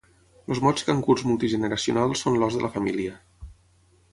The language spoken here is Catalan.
Els mots cangurs multigeneracionals són l'os de la família.